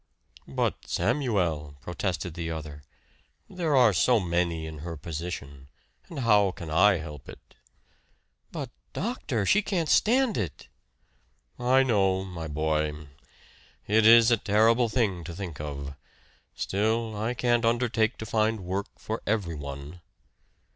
"But, Samuel!" protested the other. "There are so many in her position and how can I help it?" "But, doctor! She can't stand it!" "I know, my boy. It is a terrible thing to think of. Still, I can't undertake to find work for everyone."